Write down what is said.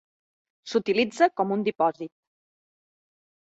S'utilitza com un dipòsit.